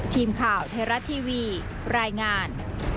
ทีมข่าวไทยรัฐทีวีรายงาน